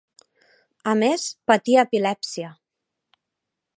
A més, patia epilèpsia.